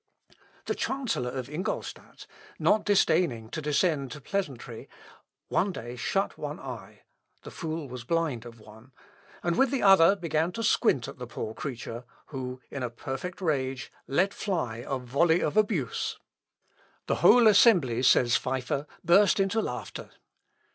The chancellor of Ingolstadt, not disdaining to descend to pleasantry, one day shut one eye, (the fool was blind of one,) and with the other began to squint at the poor creature, who, in a perfect rage, let fly a volley of abuse. "The whole assembly," says Peiffer, "burst into laughter."